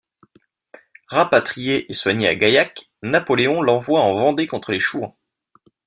Rapatrié et soigné à Gaillac, Napoléon l'envoie en Vendée contre les Chouans.